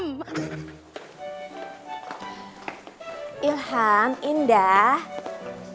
kalian pulangnya sama tante aja ya